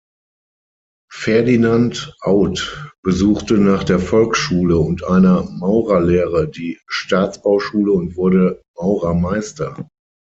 Ferdinand Auth besuchte nach der Volksschule und einer Maurerlehre die Staatsbauschule und wurde Maurermeister.